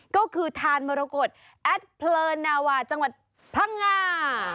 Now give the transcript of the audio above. ก็คือทานมรกฏแอดเพลินนาวาจังหวัดพังงา